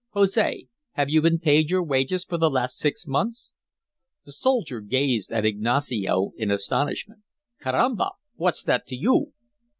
"Jose, have you been paid your wages for the last six months?" The soldier gazed at Ignacio in astonishment. "Carramba! What's that to you?"